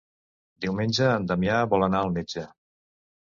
Diumenge en Damià vol anar al metge.